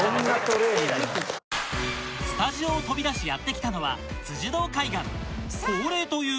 スタジオを飛び出しやって来たのははい！